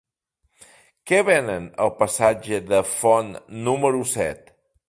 Què venen al passatge de Font número set?